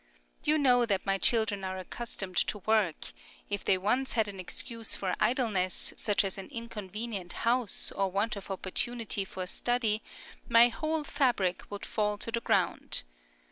You know that my children are accustomed to work; if they once had an excuse for idleness, such as an inconvenient house, or want of opportunity for study, my whole fabric would fall to the ground.